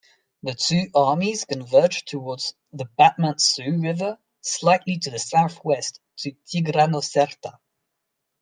The two armies converged toward the Batman-Su river slightly to the southwest to Tigranocerta.